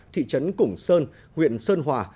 thị trấn củng sơn huyện sơn hòa